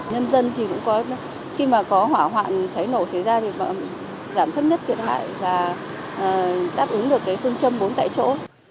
nhân dân thì cũng có khi mà có hỏa hoạn cháy nổ cháy ra thì giảm thấp nhất thiệt hại và đáp ứng được phương châm vốn tại chỗ